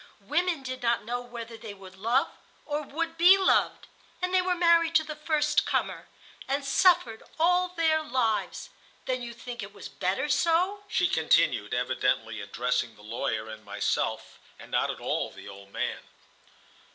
"Women did not know whether they would love or would be loved, and they were married to the first comer, and suffered all their lives. Then you think it was better so?" she continued, evidently addressing the lawyer and myself, and not at all the old man.